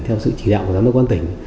theo sự chỉ đạo của giám đốc công an tỉnh